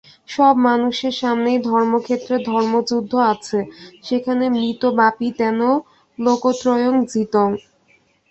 সব মানুষের সামনেই ধর্মক্ষেত্রে ধর্মযুদ্ধ আছে, সেখানে মৃতো বাপি তেন লোকত্রয়ং জিতং।